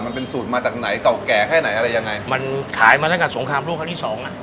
มันเป็นสูตรมาจากไหนเก่าแก่แค่ไหนอะไรยังไงมันขายมาตั้งแต่สงครามโลกครั้งที่สองอ่ะ